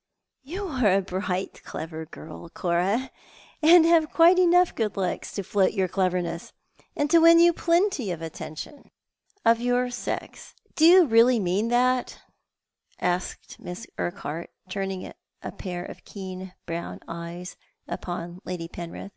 " "You are a bright, clover girl, Cora, and have quite enough good looks to float your cleverness, and to win you plenty of attention." A Letter from the Dead. 7 "Do you really mean that?" asked Miss Urquhart, turning a pair of keen brown eyes upon Lady Penrith.